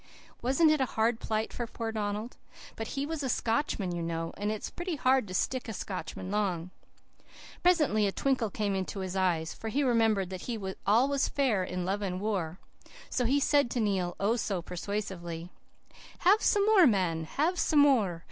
"Wasn't it a hard plight for poor Donald? But he was a Scotchman, you know, and it's pretty hard to stick a Scotchman long. Presently a twinkle came into his eyes, for he remembered that all was fair in love and war. So he said to Neil, oh, so persuasively, "'Have some more, man, have some more.